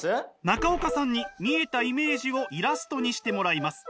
中岡さんに見えたイメージをイラストにしてもらいます。